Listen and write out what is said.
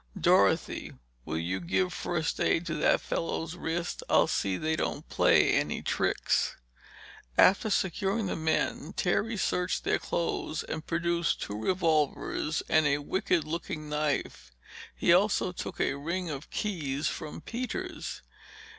Dorothy, will you give first aid to that fellow's wrist? I'll see that they don't play any tricks." After securing the men, Terry searched their clothes and produced two revolvers and a wicked looking knife. He also took a ring of keys from Peters.